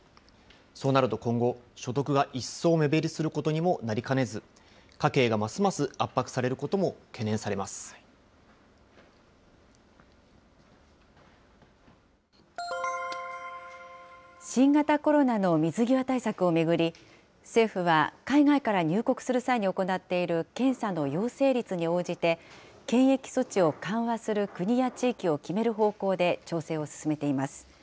そうなると今後、所得が一層目減りすることにもなりかねず、家計がますます圧迫さ新型コロナの水際対策を巡り、政府は海外から入国する際に行っている検査の陽性率に応じて、検疫措置を緩和する国や地域を決める方向で調整を進めています。